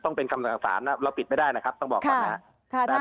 ต้องเป็นคำสั่งสารนะครับเราปิดไม่ได้นะครับต้องบอกครั้งหน้า